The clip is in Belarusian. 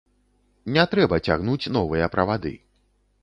Не трэба цягнуць новыя правады.